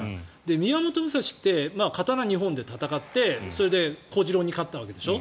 宮本武蔵って刀２本で戦ってそれで、小次郎に勝ったわけでしょ。